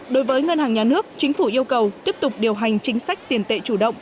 đối với ngân hàng nhà nước chính phủ yêu cầu tiếp tục điều hành chính sách tiền tệ chủ động